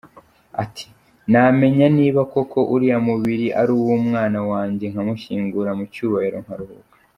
Ati “Namenya niba koko uriya mubiri ari uw’umwana wanjye nkamushyingura mu cyubahiro, nkaruhuka.